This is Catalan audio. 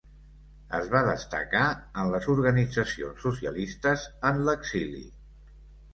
Es va destacar en les organitzacions socialistes en l'exili.